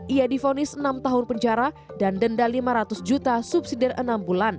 ia difonis enam tahun penjara dan denda lima ratus juta subsidi dari enam bulan